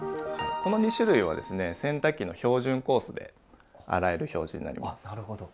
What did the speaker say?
この２種類はですね洗濯機の標準コースで洗える表示になります。